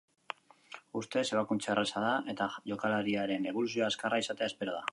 Ustez, ebakuntza erraza da, eta jokalariaren eboluzioa azkarra izatea espero da.